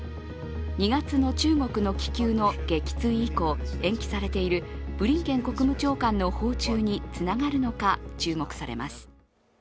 ２月の中国の気球の撃墜以降延期されているブリンケン国務長官の訪中につながるのか注目されます。